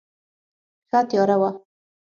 ښه تیاره وه.